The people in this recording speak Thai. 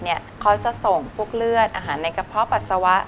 เขาจะส่งพวกเลือดอาหารในกระเพาะปัสสาวะ